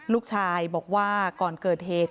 ลูกชายบอกว่าก่อนเกิดเหตุ